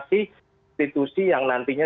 sih institusi yang nantinya